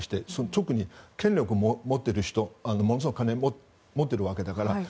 特に権力を持っている人ものすごい金を持っているわけだから。